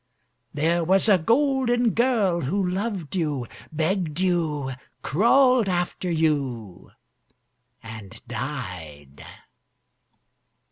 There was a golden girl who loved you, begged you, Crawled after you, and died.